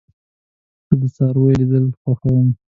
زه د څارويو لیدل خوښوم.